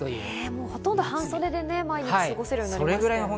ほとんど半袖で毎日過ごせるようになりましたね。